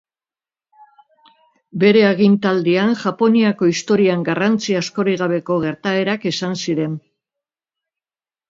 Bere agintaldian, Japoniako historian garrantzi askorik gabeko gertaerak izan ziren.